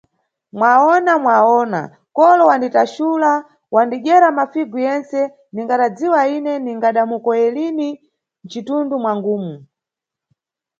Mwawona, Mwawona, kolo wanditaxula, wadidyera mafigu yentse, ndigadadziwa ine ningada mukoye lini mcindundu mwangumu.